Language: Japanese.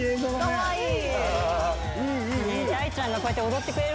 かわいい！